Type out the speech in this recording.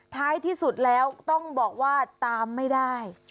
ท้ายที่สุดแล้วต้องบอกว่าตามไม่ได้